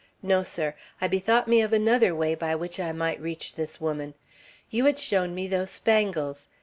No, sir; I bethought me of another way by which I might reach this woman. You had shown me those spangles.